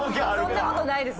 そんな事ないです